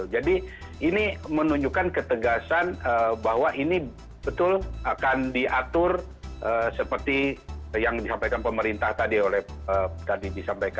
jadi ini menunjukkan ketegasan bahwa ini betul akan diatur seperti yang disampaikan pemerintah tadi